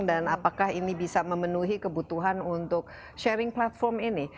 apakah ini bisa memenuhi kebutuhan untuk sharing platform ini